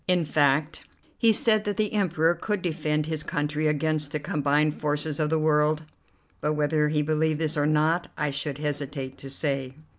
In fact, he said that the Emperor could defend his country against the combined forces of the world; but whether he believed this or not, I should hesitate to say.